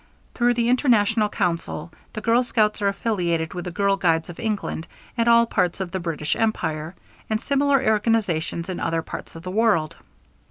Through the International Council the Girl Scouts are affiliated with the Girl Guides of England and all parts of the British Empire, and similar organizations in other parts of the world.